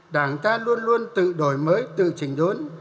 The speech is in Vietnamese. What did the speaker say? đảng ta luôn luôn tự đổi mới tự trình đốn